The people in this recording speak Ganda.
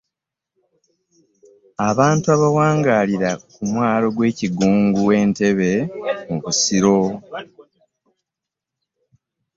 Abantu abawangaalira ku mwalo gw'e Kigungu e Ntebe mu Busiro.